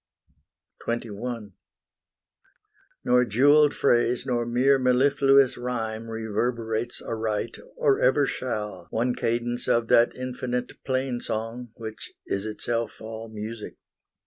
XXI Nor jewelled phrase nor mere mellifluous rhyme Reverberates aright, or ever shall, One cadence of that infinite plain song Which is itself all music.